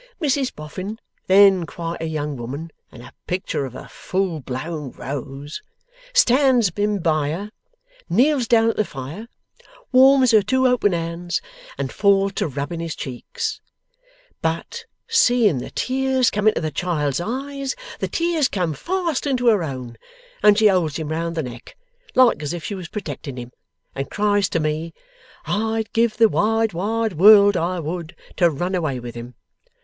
Mrs Boffin, then quite a young woman and pictur of a full blown rose, stands him by her, kneels down at the fire, warms her two open hands, and falls to rubbing his cheeks; but seeing the tears come into the child's eyes, the tears come fast into her own, and she holds him round the neck, like as if she was protecting him, and cries to me, "I'd give the wide wide world, I would, to run away with him!"